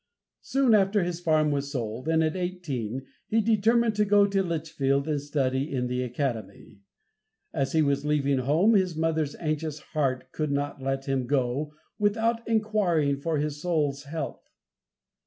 Soon after his farm was sold, and at eighteen he determined to go to Litchfield and study in the Academy. As he was leaving home, his mother's anxious heart could not let him go without enquiring for his soul's health.